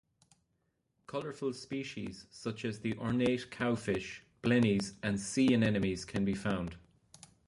Colorful species such as the ornate cowfish, blennies, and sea anemones can be found.